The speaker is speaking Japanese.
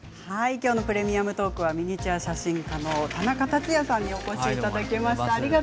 きょうの「プレミアムトーク」はミニチュア写真家の田中達也さんにお越しいただきました。